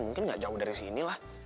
mungkin gak jauh dari sini lah